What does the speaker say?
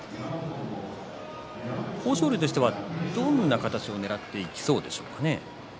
豊昇龍としてはどんな形をねらっていきそうでしょうか。